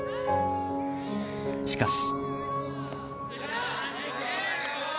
しかし。